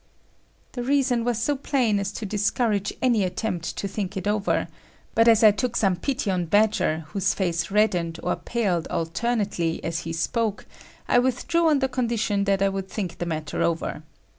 The reason was so plain as to discourage any attempt to think it over, but as I took some pity on Badger whose face reddened or paled alternately as he spoke, I withdrew on the condition that I would think the matter over.